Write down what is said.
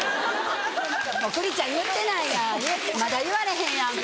クリちゃん言ってないやんまだ言われへんやん。